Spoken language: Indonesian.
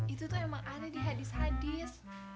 itu tuh emang ada di hadis hadis